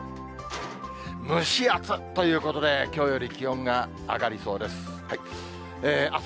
むし暑っということで、きょうより気温が上がりそうです。